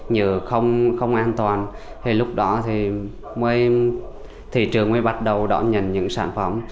nhờ không an toàn thì lúc đó thì mới thị trường mới bắt đầu đón nhận những sản phẩm